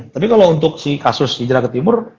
tapi kalau untuk si kasus hijrah ke timur